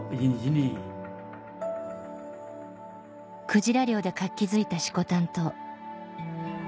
クジラ漁で活気づいた色丹島